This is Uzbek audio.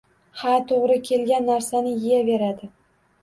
Ha, to‘g‘ri kelgan narsani yeyaveradi.